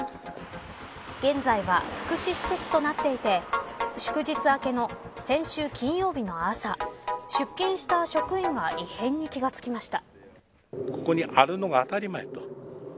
現在は福祉施設となっていて祝日明けの先週金曜日の朝出勤した職員が異変に気が付きました。